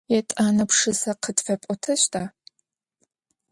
Етӏанэ пшысэ къытфэпӏотэщта?